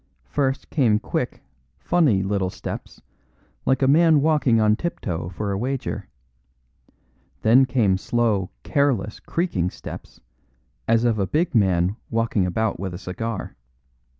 First came quick, funny little steps, like a man walking on tiptoe for a wager; then came slow, careless, creaking steps, as of a big man walking about with a cigar.